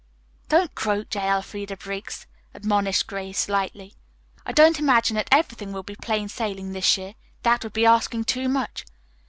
"Don't croak, J. Elfreda Briggs," admonished Grace lightly, "I don't imagine that everything will be plain sailing this year. That would be asking too much.